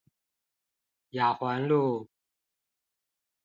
雅環路